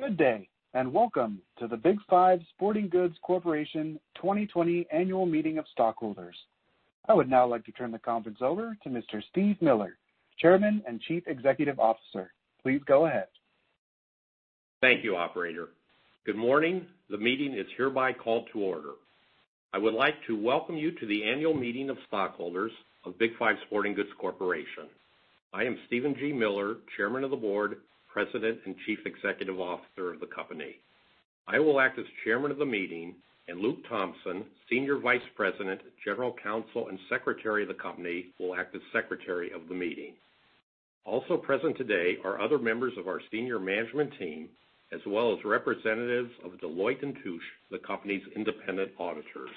Good day, welcome to the Big 5 Sporting Goods Corporation 2020 Annual Meeting of Stockholders. I would now like to turn the conference over to Mr. Steve Miller, Chairman and Chief Executive Officer. Please go ahead. Thank you, operator. Good morning. The meeting is hereby called to order. I would like to welcome you to the annual meeting of stockholders of Big 5 Sporting Goods Corporation. I am Steven G. Miller, Chairman of the Board, President, and Chief Executive Officer of the company. I will act as chairman of the meeting, and Luke Thompson, Senior Vice President, General Counsel, and Secretary of the company, will act as secretary of the meeting. Also present today are other members of our senior management team, as well as representatives of Deloitte & Touche, the company's independent auditors.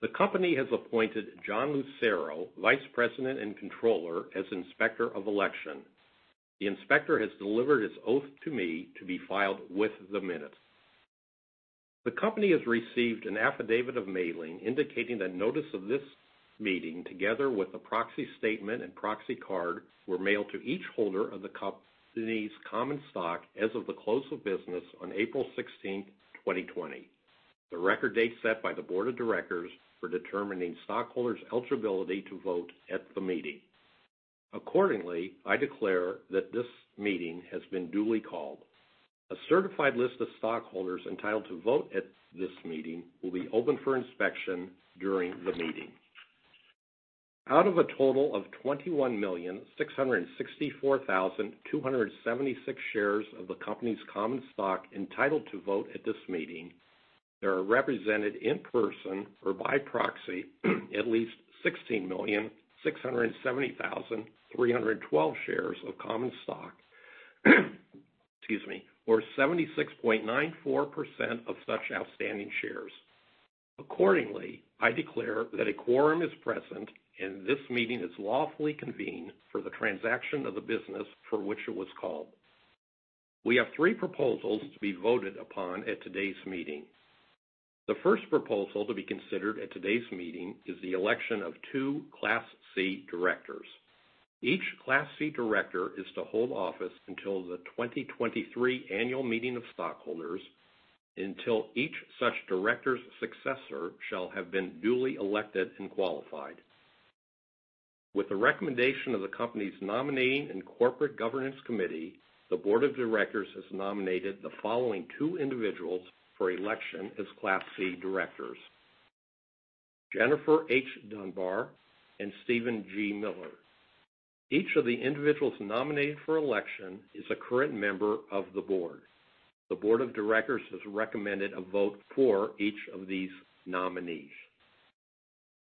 The company has appointed John Lucero, Vice President and Controller, as Inspector of Election. The inspector has delivered his oath to me to be filed with the minutes. The company has received an affidavit of mailing indicating that notice of this meeting, together with the proxy statement and proxy card, were mailed to each holder of the company's common stock as of the close of business on April 16th, 2020, the record date set by the board of directors for determining stockholders' eligibility to vote at the meeting. Accordingly, I declare that this meeting has been duly called. A certified list of stockholders entitled to vote at this meeting will be open for inspection during the meeting. Out of a total of 21,664,276 shares of the company's common stock entitled to vote at this meeting, there are represented in person or by proxy at least 16,670,312 shares of common stock, excuse me, or 76.94% of such outstanding shares. Accordingly, I declare that a quorum is present and this meeting is lawfully convened for the transaction of the business for which it was called. We have three proposals to be voted upon at today's meeting. The first proposal to be considered at today's meeting is the election of two Class C directors. Each Class C director is to hold office until the 2023 annual meeting of stockholders, until each such director's successor shall have been duly elected and qualified. With the recommendation of the company's Nominating and Corporate Governance Committee, the board of directors has nominated the following two individuals for election as Class C directors, Jennifer H. Dunbar and Steven G. Miller. Each of the individuals nominated for election is a current member of the board. The board of directors has recommended a vote for each of these nominees.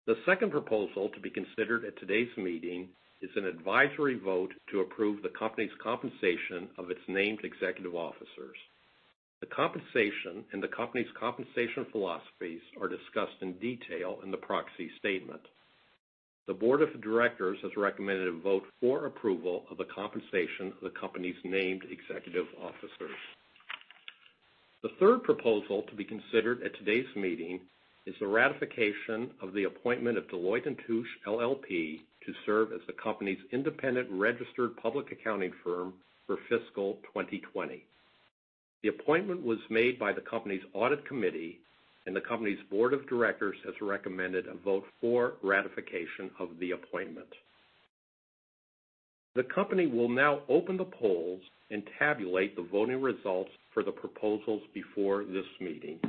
The second proposal to be considered at today's meeting is an advisory vote to approve the company's compensation of its named executive officers. The compensation and the company's compensation philosophies are discussed in detail in the proxy statement. The board of directors has recommended a vote for approval of the compensation of the company's named executive officers. The third proposal to be considered at today's meeting is the ratification of the appointment of Deloitte & Touche LLP to serve as the company's independent registered public accounting firm for fiscal 2020. The appointment was made by the company's Audit Committee, and the company's board of directors has recommended a vote for ratification of the appointment. The company will now open the polls and tabulate the voting results for the proposals before this meeting.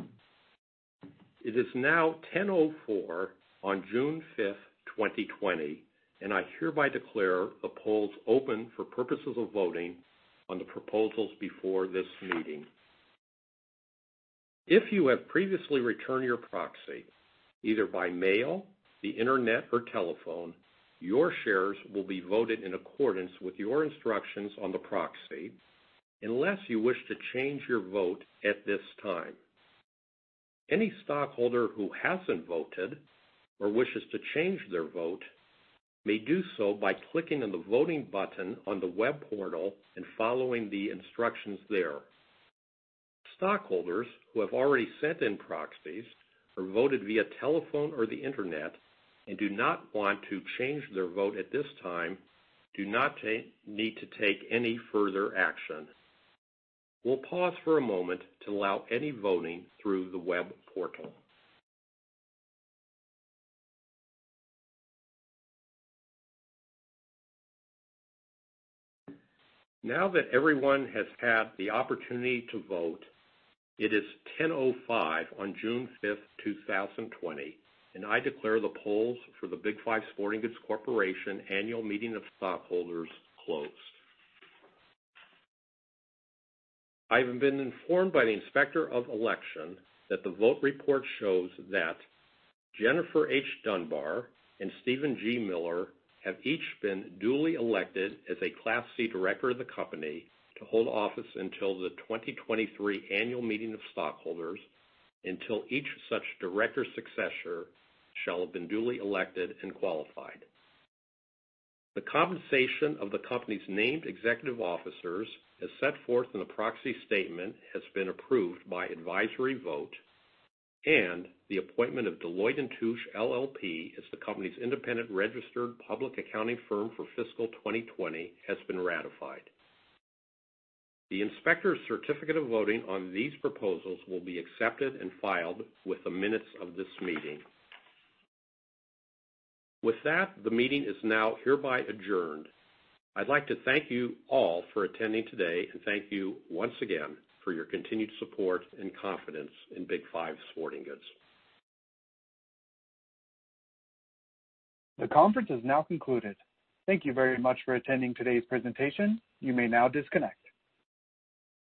It is now 10:04 A.M. on June 5th, 2020, and I hereby declare the polls open for purposes of voting on the proposals before this meeting. If you have previously returned your proxy, either by mail, the internet, or telephone, your shares will be voted in accordance with your instructions on the proxy unless you wish to change your vote at this time. Any stockholder who hasn't voted or wishes to change their vote may do so by clicking on the voting button on the web portal and following the instructions there. Stockholders who have already sent in proxies or voted via telephone or the internet and do not want to change their vote at this time do not need to take any further action. We'll pause for a moment to allow any voting through the web portal. Now that everyone has had the opportunity to vote, it is 10:05 on June 5th, 2020, and I declare the polls for the Big 5 Sporting Goods Corporation Annual Meeting of Stockholders closed. I have been informed by the Inspector of Election that the vote report shows that Jennifer H. Dunbar and Steven G. Miller have each been duly elected as a Class C director of the company to hold office until the 2023 annual meeting of stockholders, until each such director's successor shall have been duly elected and qualified. The compensation of the company's named executive officers, as set forth in the proxy statement, has been approved by advisory vote, and the appointment of Deloitte & Touche LLP as the company's independent registered public accounting firm for fiscal 2020 has been ratified. The inspector's certificate of voting on these proposals will be accepted and filed with the minutes of this meeting. With that, the meeting is now hereby adjourned. I'd like to thank you all for attending today and thank you once again for your continued support and confidence in Big 5 Sporting Goods. The conference is now concluded. Thank you very much for attending today's presentation. You may now disconnect.